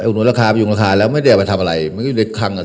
ไปยุงราคาไปยุงราคาแล้วไม่ได้เอามาทำอะไรมันก็อยู่ในคังอ่ะ